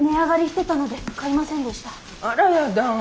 あらやだ